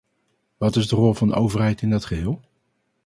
Wat is de rol van de overheid in dat geheel?